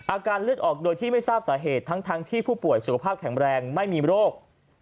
อาการเลือดออกโดยที่ไม่ทราบสาเหตุทั้งที่ผู้ป่วยสุขภาพแข็งแรงไม่มีโรค